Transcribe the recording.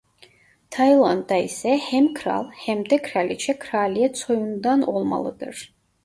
Tayland'da ise hem kral hem de kraliçe kraliyet soyundan olmalıdır.